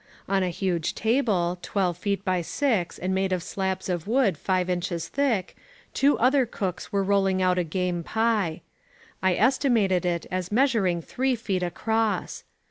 On a huge table, twelve feet by six and made of slabs of wood five inches thick, two other cooks were rolling out a game pie. I estimated it as measuring three feet across.